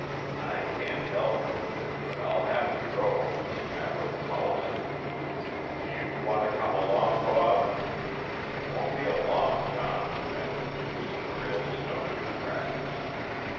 I can't help him, but I'll have to go, as a matter of policy. Do you want to come along, Bob? It won't be a long jaunt, and it will give you some real snowshoe practice."